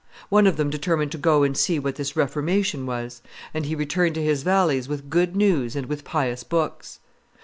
One of them determined to go and see what this reformation was; and he returned to his valleys with good news and with pious books.